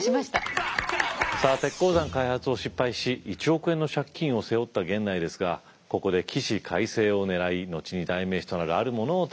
さあ鉄鉱山開発を失敗し１億円の借金を背負った源内ですがここで起死回生を狙い後に代名詞となるあるものを手がけます。